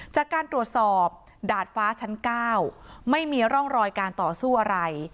จากการตรวจสอบดาดฟ้าชั้น๙ไม่มีร่องรอยการต่อสู้อะไร